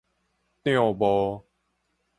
帳幕